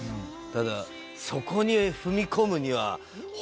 ただそこに踏み込むには。